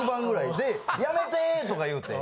で「やめて」とか言うて。